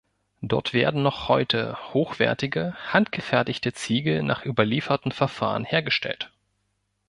Dort werden noch heute hochwertige, handgefertigte Ziegel nach überlieferten Verfahren hergestellt.